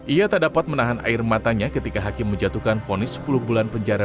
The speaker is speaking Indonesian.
ia tak dapat menahan air matanya ketika hakim menjatuhkan fonis sepuluh bulan penjara